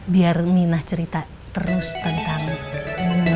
biar minah cerita terus tentang nungi